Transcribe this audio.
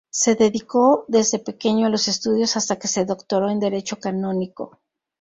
Se dedicó desde pequeño a los estudios, hasta que se doctoró en Derecho Canónico.